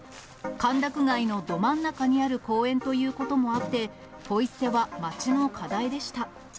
歓楽街のど真ん中にある公園ということもあって、ポイ捨ては町の課題でした。